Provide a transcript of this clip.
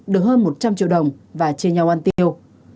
được hơn một trăm linh triệu đồng và chia nhau ăn tiêu